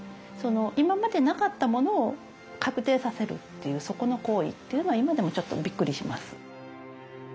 今までなかったものを確定させるっていうそこの行為っていうのは今でもちょっとびっくりします。